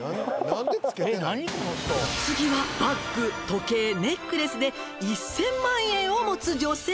「お次はバッグ時計ネックレスで１，０００万円を持つ女性」